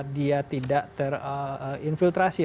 dia tidak terinfiltrasi